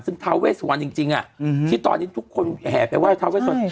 ซึ่งท้าเวสวันจริงที่ตอนนี้ทุกคนแห่ไปไห้ทาเวสวรรค์